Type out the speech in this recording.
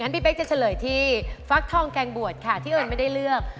พี่เบ็กจะเจอฟักทองกาแยงกาแยงบวดที่เอิร์นไม่ได้เลือก